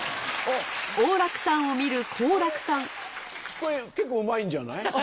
これ結構うまいんじゃない？